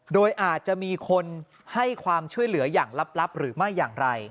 โดยอาจจะมีคนให้ความช่วยเหลืออย่างลับหรือไม่อย่างไร